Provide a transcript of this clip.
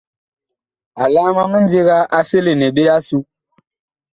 Alaam a mindiga a selene ɓe asu.